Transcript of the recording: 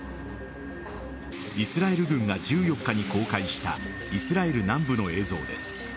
イスラエル軍が１４日に公開したイスラエル南部の映像です。